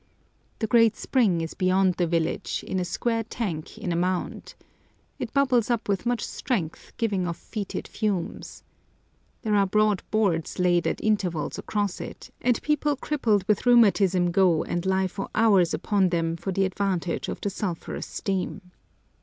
The great spring is beyond the village, in a square tank in a mound. It bubbles up with much strength, giving off fetid fumes. There are broad boards laid at intervals across it, and people crippled with rheumatism go and lie for hours upon them for the advantage of the sulphurous steam.